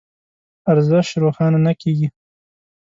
ارزش روښانه نه کېږي.